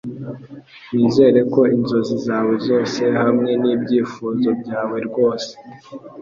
Nizere ko inzozi zawe zose hamwe n'ibyifuzo byawe rwose